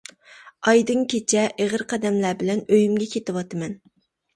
ئايدىڭ كېچە، ئېغىر قەدەملەر بىلەن ئۆيۈمگە كېتىۋاتىمەن.